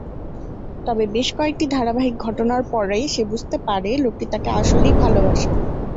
তবে বেশ কয়েকটি ধারাবাহিক ঘটনার পরে সে বুঝতে পারে লোকটি তাকে আসলেই ভালবাসে।